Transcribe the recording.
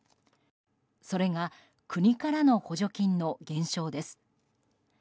それが国からの補助金の減少です。